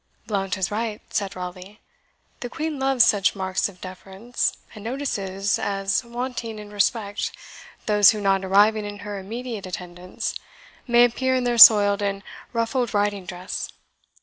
"Blount is right," said Raleigh; "the Queen loves such marks of deference, and notices, as wanting in respect, those who, not arriving in her immediate attendance, may appear in their soiled and ruffled riding dress.